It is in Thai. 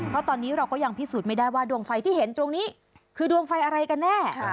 เพราะตอนนี้เราก็ยังพิสูจน์ไม่ได้ว่าดวงไฟที่เห็นตรงนี้คือดวงไฟอะไรกันแน่